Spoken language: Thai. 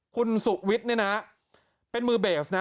คุณสุวิทย์เนี่ยนะเป็นมือเบสนะ